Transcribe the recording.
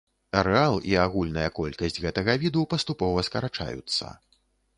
Арэал і агульная колькасць гэтага віду паступова скарачаюцца.